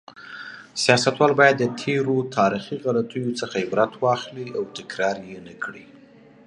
سیاستوال باید د تېرو تاریخي غلطیو څخه عبرت واخلي او تکرار یې نکړي.